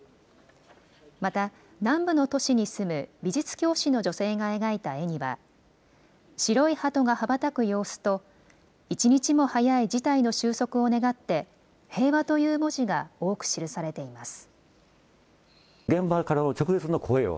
また南部の都市に住む美術教師の女性が描いた絵には白いハトが羽ばたく様子と一日も早い事態の収束を願って平和という文字が多く記されています。